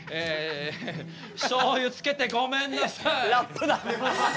しょうゆつけてごめんなさいラップだ！